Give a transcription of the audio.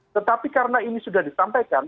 tetapi karena ini sudah disampaikan